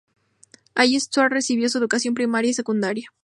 Allí Stuart recibió su educación primaria y secundaria.